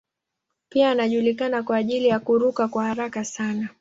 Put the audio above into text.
Pia anajulikana kwa ajili ya kuruka kwa haraka sana.